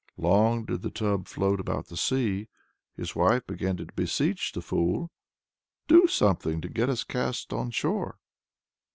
Long did the tub float about on the sea. His wife began to beseech the fool: "Do something to get us cast on shore!"